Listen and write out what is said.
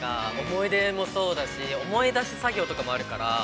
思い出もそうだし、思い出し作業とかもあるから。